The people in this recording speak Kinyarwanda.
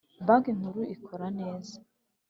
Banki nkuru ikora neze.